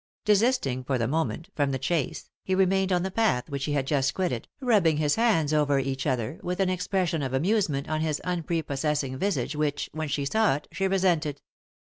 Desisting, for the moment, from the chase, he remained on the path which she had just quitted, rubbing his hands over each other, with an expression of amusement on his unprepossessing visage which, when she saw it, she resented.